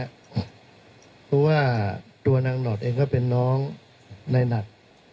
เพราะว่าตัวนางหนอดเองก็เป็นน้องในหนัด